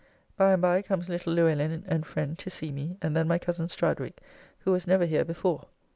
By and by comes little Luellin and friend to see me, and then my coz Stradwick, who was never here before.